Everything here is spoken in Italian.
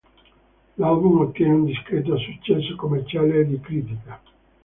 L'album ottiene un discreto successo commerciale e di critica.